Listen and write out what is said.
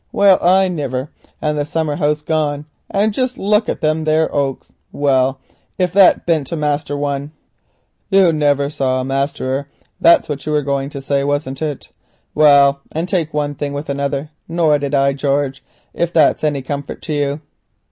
Well, I niver, and the summer house gone, and jist look at thim there oaks. Well, if that beant a master one." "You never saw a masterer, that's what you were going to say, wasn't it? Well, and take one thing with another, nor did I, George, if that's any comfort to you.